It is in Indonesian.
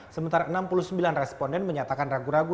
sementara enam puluh sembilan responden menyatakan ragu ragu